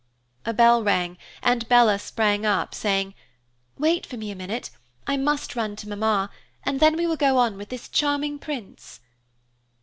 A bell rang, and Bella sprang up, saying, "Wait for me a minute. I must run to Mamma, and then we will go on with this charming prince."